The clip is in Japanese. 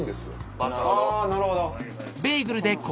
あぁなるほど！